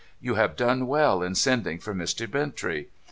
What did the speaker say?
You have done well in sending for Mr. Bintrey.